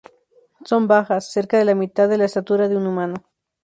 Son bajas, cerca de la mitad de la estatura de un humano.